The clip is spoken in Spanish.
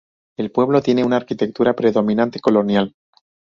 El pueblo tiene una arquitectura predominantemente colonial.